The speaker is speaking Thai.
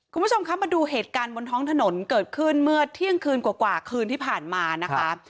คุณผู้ชมคะมาดูเหตุการณ์บนท้องถนนเกิดขึ้นเมื่อเที่ยงคืนกว่าคืนที่ผ่านมานะคะ